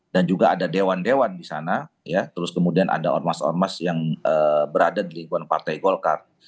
dan juga ada dewan dewan di sana terus kemudian ada ormas ormas yang berada di lingkungan partai golkar